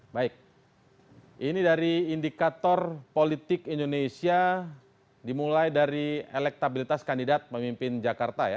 baik ini dari indikator politik indonesia dimulai dari elektabilitas kandidat pemimpin jakarta ya